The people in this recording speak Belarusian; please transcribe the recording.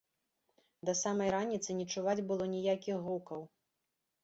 Да самай раніцы не чуваць было ніякіх гукаў.